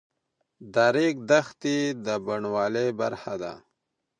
د ریګ دښتې د بڼوالۍ برخه ده.